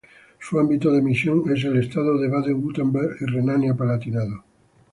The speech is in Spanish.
Su ámbito de emisión es el estado de Baden-Wurtemberg y Renania-Palatinado.